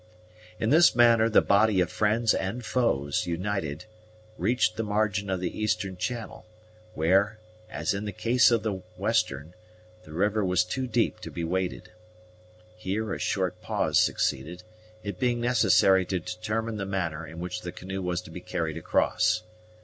In this manner, the body of friends and foes united reached the margin of the eastern channel, where, as in the case of the western, the river was too deep to be waded. Here a short pause succeeded, it being necessary to determine the manner in which the canoe was to be carried across.